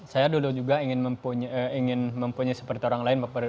saya dulu juga ingin mempunyai seperti orang lain